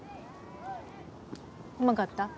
うまかった？